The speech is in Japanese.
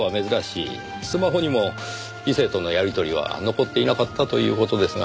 スマホにも異性とのやり取りは残っていなかったという事ですが。